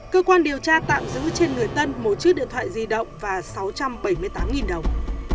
cơ quan điều tra tạm giữ trên người tân một chiếc điện thoại di động và sáu trăm bảy mươi tám đồng